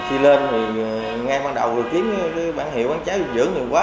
khi lên thì ngay ban đầu vừa kiếm cái bản hiệu bán cháo bình dưỡng rồi quay